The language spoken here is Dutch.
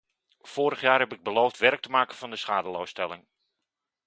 Vorig jaar heb ik beloofd werk te maken van de schadeloosstelling.